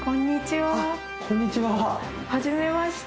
はじめまして。